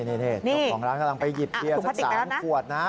นี่เจ้าของร้านกำลังไปหยิบเบียร์สัก๓ขวดนะ